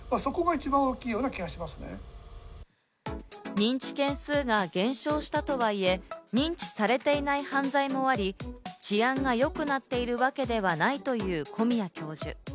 認知件数が減少したとはいえ、認知されていない犯罪もあり、治安が良くなっているわけではないという小宮教授。